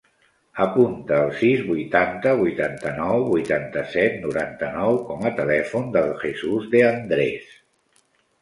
Apunta el sis, vuitanta, vuitanta-nou, vuitanta-set, noranta-nou com a telèfon del Jesús De Andres.